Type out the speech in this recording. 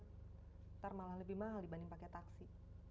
ntar malah lebih mahal dibanding pakai taksi